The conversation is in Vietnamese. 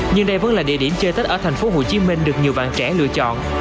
nhưng đây vẫn là địa điểm chơi tết ở thành phố hồ chí minh được nhiều bạn trẻ lựa chọn